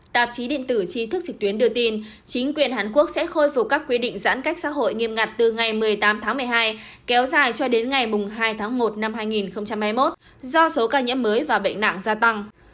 tạp chí điện tử trí thức trực tuyến đưa tin chính quyền hàn quốc sẽ khôi phục các quy định giãn cách xã hội nghiêm ngặt từ ngày một mươi tám tháng một mươi hai kéo dài cho đến ngày hai tháng một năm hai nghìn hai mươi một do số ca nhiễm mới và bệnh nặng gia tăng